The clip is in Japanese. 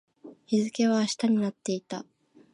日付は明日になっていた